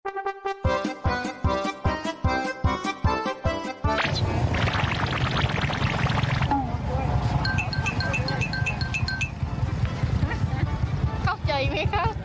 เข้าใจไหมครับ